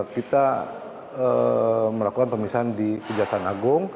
kita melakukan pemisahan di kejaksaan agung